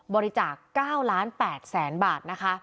บริจาค๙๘๐๐๐๐๐บาท